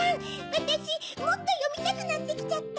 わたしもっとよみたくなってきちゃった！